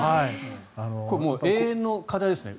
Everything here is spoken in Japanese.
永遠の課題ですね。